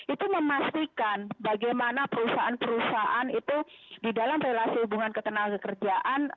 itu memastikan bagaimana perusahaan perusahaan itu di dalam relasi hubungan ketenagakerjaan